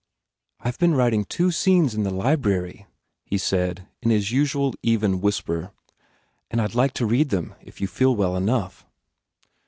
"I ve been writing two scenes in the library," he said, in his usual, even whisper, "and I d like to read them, if you feel well enough."